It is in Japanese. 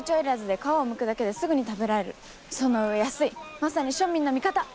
まさに庶民の味方！